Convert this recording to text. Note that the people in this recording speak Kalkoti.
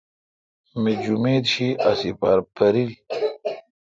می جمیت شی ا ہ سیپار پِریل۔